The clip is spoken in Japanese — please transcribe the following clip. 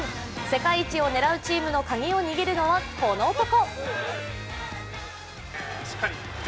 世界一を狙うチームのカギを握るのはこの男。